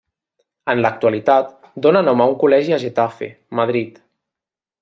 En l'actualitat, dóna nom a un col·legi a Getafe, Madrid.